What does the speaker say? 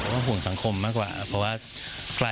ผมสงสังคมมากว่าเพราะว่า